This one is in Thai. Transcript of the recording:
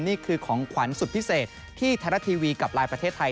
นี่คือของขวัญสุดพิเศษที่โทรธราตราทรัลละทีวีกับไลน์ประเทศไทย